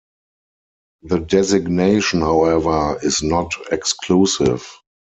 The designation, however, is not exclusive.